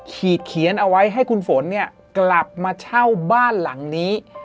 เขียนเอาไว้ให้คุณฝนเนี่ยกลับมาเช่าบ้านหลังนี้